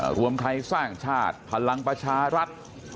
รวมไทยสร้างชาติพลังประชารัฐ